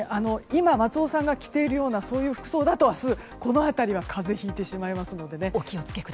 今、松尾さんが着ているような服装だと、明日この辺りは風邪ひいてしまいますので。